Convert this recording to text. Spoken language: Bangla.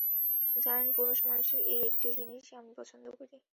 জানেন, পুরুষমানুষের এই একটি জিনিস আমি পছন্দ করি।